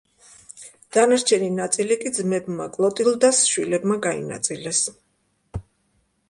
დანარჩენი ნაწილი კი ძმებმა, კლოტილდას შვილებმა, გაინაწილეს.